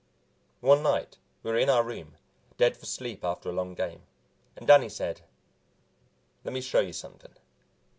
One night we were in our room, dead for sleep after a long game, and Danny said, "Let me show you something."